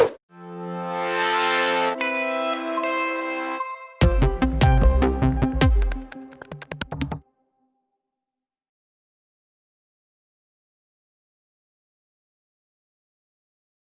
โปรดติดตามตอนต่อไป